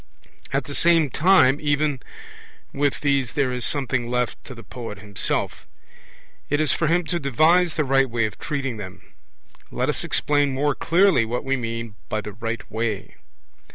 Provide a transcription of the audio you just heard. At the same time even with these there is something left to the poet himself; it is for him to devise the right way of treating them. Let us explain more clearly what we mean by 'the right way'.